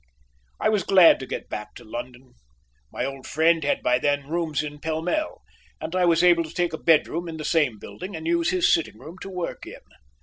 I was glad to get back to London. My old friend had by then rooms in Pall Mall, and I was able to take a bedroom in the same building and use his sitting room to work in.